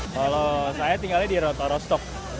kalau saya tinggalnya di roto rostok